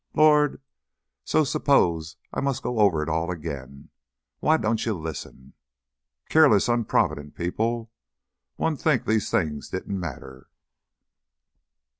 Lor! So suppose I must go over it all again. Why don't you listen? Keerless, unprovident people! One'd think these things didn't matter."